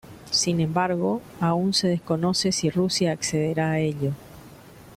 Sin embargo, aún se desconoce si Rusia accederá a ello.